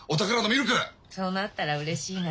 そうなったらうれしいな。